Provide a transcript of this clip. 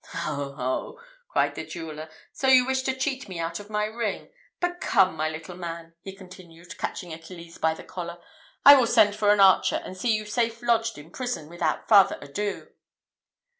"Ho, ho!" cried the jeweller; "so you wish to cheat me out of my ring. But come, my little man," he continued, catching Achilles by the collar, "I will send for an archer, and see you safe lodged in prison, without farther to do."